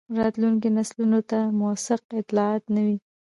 راتلونکو نسلونو ته موثق اطلاعات نه وي.